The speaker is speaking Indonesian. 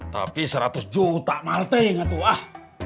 tapi seratus juta malte yang itu ah